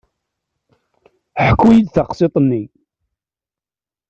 Ḥku-iyi-d taqsiṭ-nni.